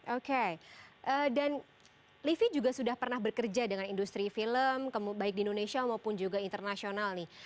oke dan livi juga sudah pernah bekerja dengan industri film baik di indonesia maupun juga internasional nih